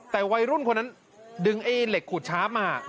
แต่วัยรุ่นคนนั้นดึงไอ้เหล็กขูดชาร์ฟมา